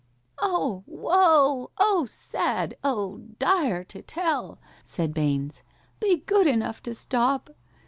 "Oh, woe! oh, sad! oh, dire to tell!" (Said BAINES). "Be good enough to stop."